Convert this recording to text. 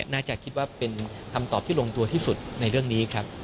น่าจะคิดว่าเป็นคำตอบที่ลงตัวที่สุดในเรื่องนี้ครับ